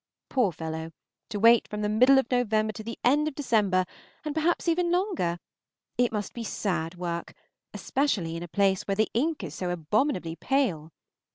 Poor fellow! to wait from the middle of November to the end of December, and perhaps even longer, it must be sad work; especially in a place where the ink is so abominably pale.